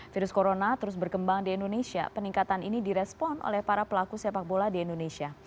virus corona terus berkembang di indonesia peningkatan ini direspon oleh para pelaku sepak bola di indonesia